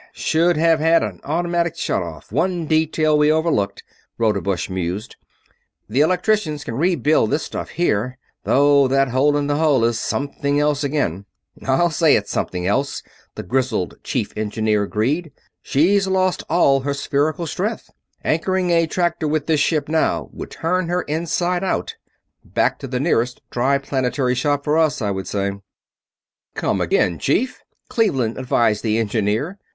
"Hm ... m ... m. Should have had an automatic shut off one detail we overlooked," Rodebush mused. "The electricians can rebuild this stuff here, though that hole in the hull is something else again." "I'll say it's something else," the grizzled Chief Engineer agreed. "She's lost all her spherical strength anchoring a tractor with this ship now would turn her inside out. Back to the nearest Triplanetary shop for us, I would say." "Come again, Chief!" Cleveland advised the engineer.